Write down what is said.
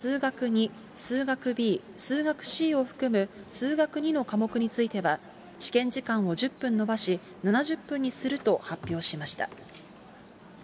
また、数学２、数学Ｂ、数学Ｃを含む数学２の科目については、試験時間を１０分延ばし、７０分にすると発表しました。